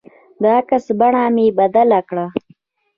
د عکس بڼه مې بدله کړه.